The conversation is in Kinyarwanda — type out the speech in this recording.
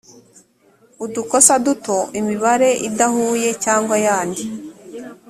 udukosa duto imibare idahuye cyangwa ayandi